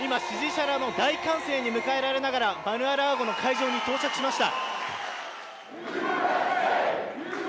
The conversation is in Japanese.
今、支持者らの大歓声に迎えられながらマル・ア・ラーゴの会場に到着しました。